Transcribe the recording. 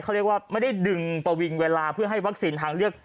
เขาเรียกว่าไม่ได้ดึงประวิงเวลาเพื่อให้วัคซีนทางเลือก